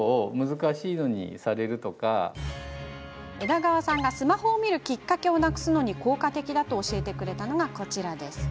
枝川さんが、スマホを見るきっかけをなくすのに効果的だと教えてくれたのがこちらです。